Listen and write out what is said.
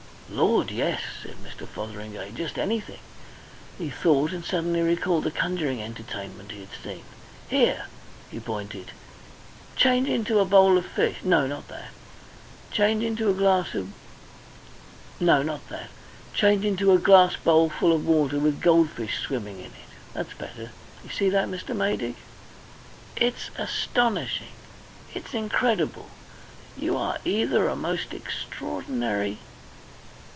"Lord, yes!" said Mr. Fotheringay. "Just anything." He thought, and suddenly recalled a conjuring entertainment he had seen. "Here!" he pointed, "change into a bowl of fish no, not that change into a glass bowl full of water with goldfish swimming in it. That's better! You see that, Mr. Maydig?" "It's astonishing. It's incredible. You are either a most extraordinary...